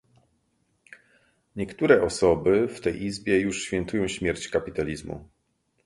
Niektóre osoby w tej Izbie już świętują śmierć kapitalizmu